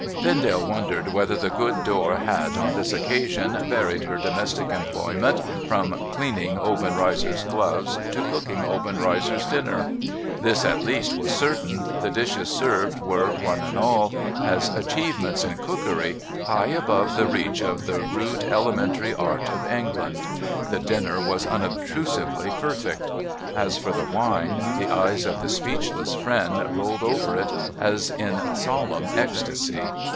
Vendale wondered whether the good Dor had, on this occasion, varied her domestic employment from cleaning Oben reizer's gloves to cooking Obenreizer's dinner. This at least was certain — the dishes served were, one and all, as achievements in cookery, high above the reach of the rude elementary art of England. The dinner was unobtrusively perfect. As for the wine, the eyes of the speechless friend rolled over it, as in solemn ecstasy.